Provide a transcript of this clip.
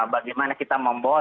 bagaimana kita membawa